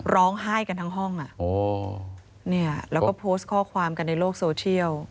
ร้องไห้กันทั้งห้องแล้วก็โพสต์ข้อความกันในโลกโซเชียล